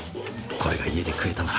これが家で食えたなら。